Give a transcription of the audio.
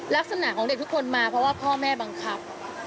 ลักษณะของเด็กทุกคนมาเพราะว่าพ่อแม่บังคับ